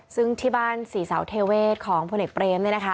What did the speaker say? ซึ่งที่บ้านศรีเสาเทวเวศของพลเนกเปรม